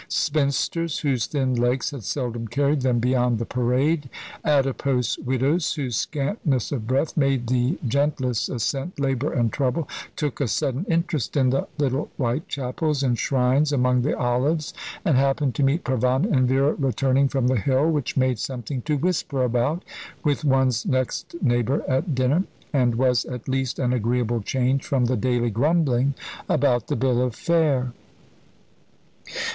Spinsters, whose thin legs had seldom carried them beyond the parade, adipose widows, whose scantness of breath made the gentlest ascent labour and trouble, took a sudden interest in the little white chapels and shrines among the olives, and happened to meet Provana and Vera returning from the hill, which made something to whisper about with one's next neighbour at dinner, and was at least an agreeable change from the daily grumbling about the bill of fare.